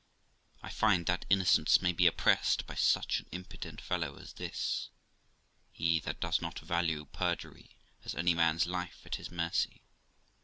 I find that innocence may be oppressed by such an impudent fellow as this ; he that does not value perjury has any man's life at his mercy.